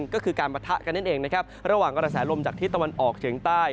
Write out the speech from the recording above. ก็คือการปะทะกันเองระหว่างกระสนมสามชีวิตตะวันออกเฉียงใต้